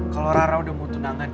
kalau rara udah mau tunangan